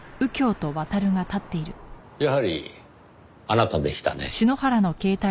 やはりあなたでしたね。